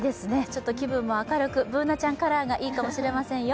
気分も明るくＢｏｏｎａちゃんカラーがいいかもしれませんよ。